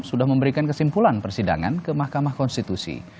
sudah memberikan kesimpulan persidangan ke mahkamah konstitusi